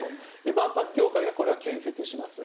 万博協会がこれは建設しますと。